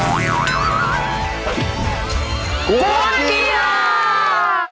กวนกีฬา